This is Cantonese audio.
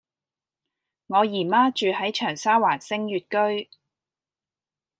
我姨媽住喺長沙灣昇悅居